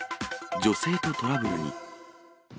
女性とトラブルに。